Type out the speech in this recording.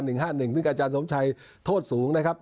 ซึ่งอาจารย์สมชัยโทษสูงนะครับ